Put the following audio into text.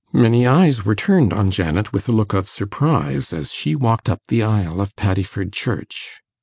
Many eyes were turned on Janet with a look of surprise as she walked up the aisle of Paddiford Church.